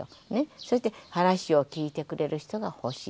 そして話を聞いてくれる人が欲しい